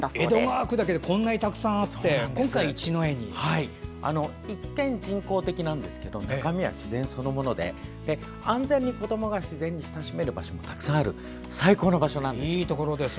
江戸川区だけでこんなにたくさんあって一見人工的なんですけど中身は自然そのもので安全に子どもが自然に親しめる場所がある最高の場所なんです。